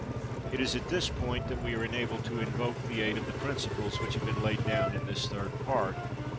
It is at this point that we are enabled to invoke the aid of the principles which have been laid down in this Third Part.